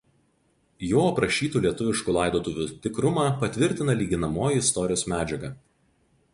Jo aprašytų lietuviškų laidotuvių tikrumą patvirtina lyginamoji istorijos medžiaga.